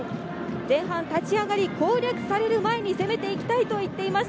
前半立ち上がり攻略される前に攻めて行きたいと言っていました。